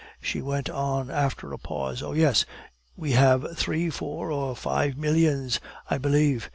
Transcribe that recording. she went on after a pause. "Oh yes! We have three, four, or five millions, I believe.